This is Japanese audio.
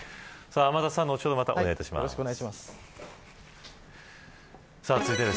天達さん、後ほどまたお願いします。